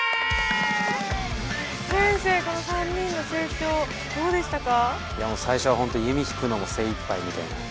先生この３人の成長どうでしたか？